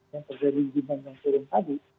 yang terjadi demand yang turun tadi